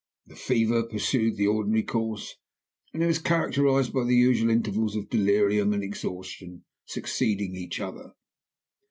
"The fever pursued the ordinary course, and was characterized by the usual intervals of delirium and exhaustion succeeding each other.